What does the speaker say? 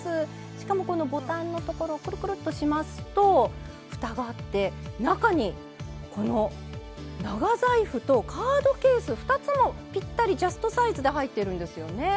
しかもこのボタンのところクルクルッとしますとふたがあって中にこの長財布とカードケース２つもぴったりジャストサイズで入ってるんですよね。